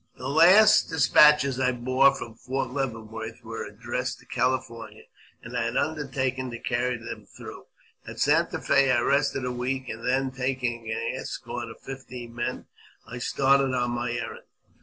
THE last despatches I bore from Fort Leavenworth were addressed to California, and I had undertaken to carry them through. At Santa Fe I rested a week, and then, taking an escort of fifteen men, I started on my errand.